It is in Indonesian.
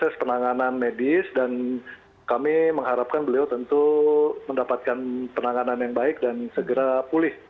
proses penanganan medis dan kami mengharapkan beliau tentu mendapatkan penanganan yang baik dan segera pulih